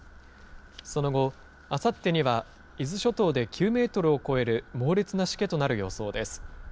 その後、あさってには伊豆諸島で９メートルを超える猛烈なしけとなる予想です。